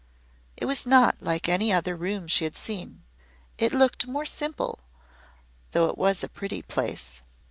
It was not like any other room she had seen. It looked more simple, though it was a pretty place.